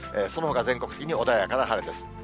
そのほか全国的に穏やかな晴れです。